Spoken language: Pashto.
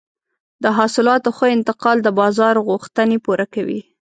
د حاصلاتو ښه انتقال د بازار غوښتنې پوره کوي.